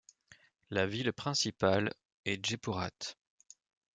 La ville principale est Jaipurhat.